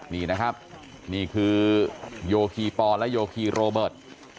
นี่นะครับนี่คือโยคีปอและโยคีโรเบิร์ต